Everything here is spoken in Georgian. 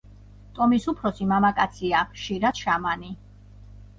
ტომის უფროსი მამაკაცია, ხშირად შამანი.